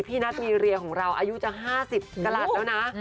นัทมีเรียของเราอายุจะ๕๐กระหลัดแล้วนะ